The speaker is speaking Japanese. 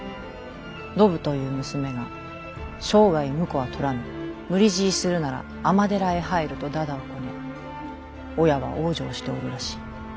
信という娘が生涯婿は取らぬ無理強いするなら尼寺へ入るとだだをこね親は往生しておるらしい。